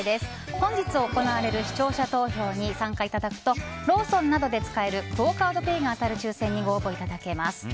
本日行われる視聴者投票にご参加いただくとローソンなどで使えるクオ・カードペイが当たる抽選にご応募いただけます。